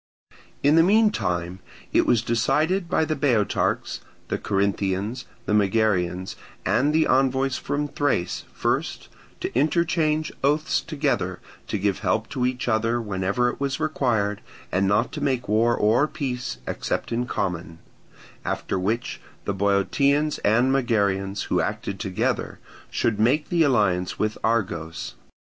In the meantime it was decided by the Boeotarchs, the Corinthians, the Megarians, and the envoys from Thrace first to interchange oaths together to give help to each other whenever it was required and not to make war or peace except in common; after which the Boeotians and Megarians, who acted together, should make the alliance with Argos.